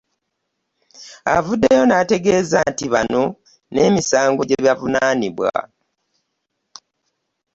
Avuddeyo n'ategeeza nti bano n'emisango gye bavunaanibwa